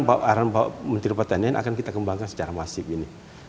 arahan bapak menteri pertanian akan kita kembangkan secara masif ini